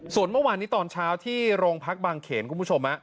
ส่วนเมื่อวานนี้ตอนเช้าที่โรงพักบางเขนคุณผู้ชม